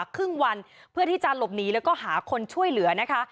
ครึ่งวันเพื่อที่จะหลบหนีแล้วก็หาคนช่วยเหลือนะคะ